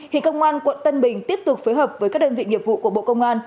hiện công an quận tân bình tiếp tục phối hợp với các đơn vị nghiệp vụ của bộ công an